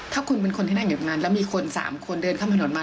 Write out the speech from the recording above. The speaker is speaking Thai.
ถ้าคุณเป็นคนที่นั่งอยู่ตรงนั้นแล้วมีคน๓คนเดินข้ามถนนมา